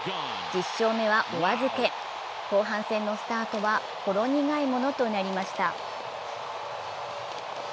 １０勝目はお預け、後半戦のスタートはほろ苦いものとなりました。